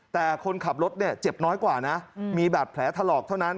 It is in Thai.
แต่คนขับรถเนี่ยเจ็บน้อยกว่านะมีบาดแผลถลอกเท่านั้น